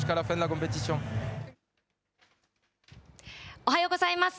おはようございます。